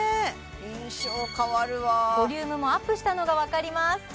印象変わるわボリュームもアップしたのが分かります